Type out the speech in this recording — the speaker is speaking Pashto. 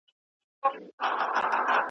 په واسکټ چي یې ښایستې حوري وېشلې .